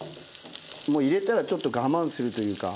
もう入れたらちょっと我慢するというか。